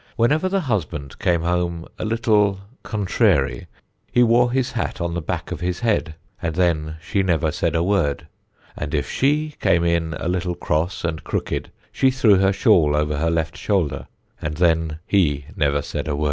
Whenever the husband came home a little "contrary" he wore his hat on the back of his head, and then she never said a word; and if she came in a little cross and crooked she threw her shawl over her left shoulder, and then he never said a word.